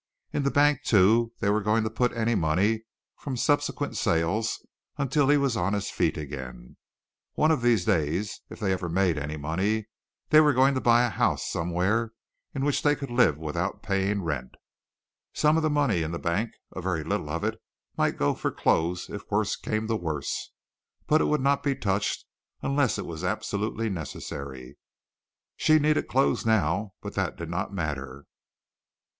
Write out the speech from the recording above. In the bank, too, they were going to put any money from subsequent sales until he was on his feet again. One of these days if they ever made any money, they were going to buy a house somewhere in which they could live without paying rent. Some of the money in the bank, a very little of it, might go for clothes if worst came to worst, but it would not be touched unless it was absolutely necessary. She needed clothes now, but that did not matter.